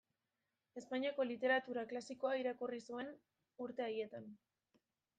Espainiako literatura klasikoa irakurri zuen urte haietan.